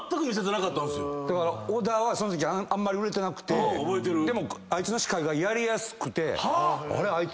小田はそのときあんまり売れてなくてでもあいつの司会がやりやすくてあれっ？